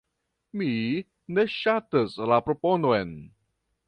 Mi ne ŝatas la proponon.